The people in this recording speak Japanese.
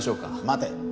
待て。